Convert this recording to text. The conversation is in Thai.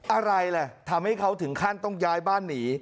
อะไรล่ะทำให้เขาถึงขั้นต้องย้ายบ้านหนี